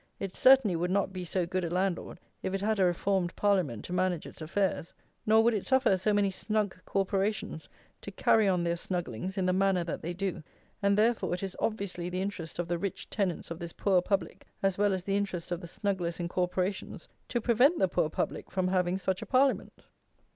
It certainly would not be so good a landlord if it had a Reformed Parliament to manage its affairs, nor would it suffer so many snug Corporations to carry on their snugglings in the manner that they do, and therefore it is obviously the interest of the rich tenants of this poor public, as well as the interest of the snugglers in Corporations, to prevent the poor public from having such a Parliament.